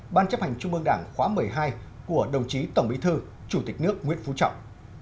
ban chấp hành trung ương đảng khóa một mươi hai của đồng chí tổng bí thư chủ tịch nước nguyễn phú trọng